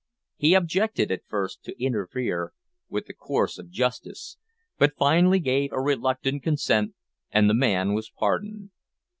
He objected, at first, to interfere with the course of justice; but finally gave a reluctant consent, and the man was pardoned.